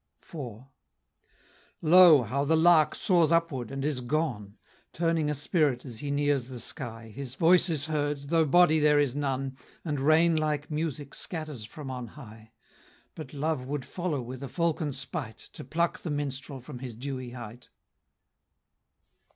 IV. Lo! how the lark soars upward and is gone; Turning a spirit as he nears the sky, His voice is heard, though body there is none, And rain like music scatters from on high; But Love would follow with a falcon spite, To pluck the minstrel from his dewy height.